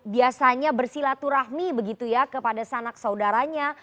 biasanya bersilaturahmi begitu ya kepada sanak saudaranya